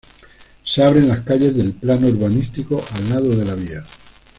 Se abren las calles del plano urbanístico al lado de la vía.